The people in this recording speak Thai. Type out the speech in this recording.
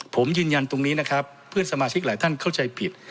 ผมยืนยันตรงนี้นะครับเพื่อนสมาชิกหลายท่านเข้าใจผิด